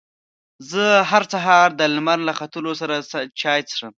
زه هر سهار د لمر له ختو سره چای څښم.